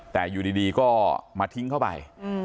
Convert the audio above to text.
แต่อยู่ดีก็มาทิ้งเข้าไป